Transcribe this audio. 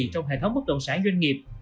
trong hệ thống bất động sản doanh nghiệp